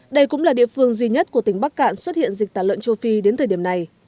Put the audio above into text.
đây cũng là địa phương duy nhất của tỉnh bắc cạn xuất hiện dịch tả lợn châu phi đến thời điểm này